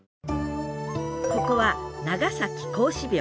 ここは長崎孔子廟。